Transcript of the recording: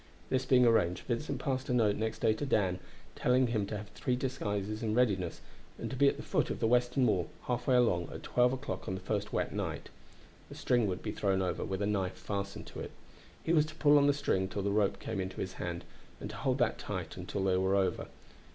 This being arranged, Vincent passed a note next day to Dan, telling him to have three disguises in readiness, and to be at the foot of the western wall, halfway along, at twelve o'clock on the first wet night. A string would be thrown over, with a knife fastened to it. He was to pull on the string till the rope came into his hand, and to hold that tight until they were over.